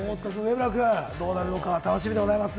どうなるのか楽しみでございます。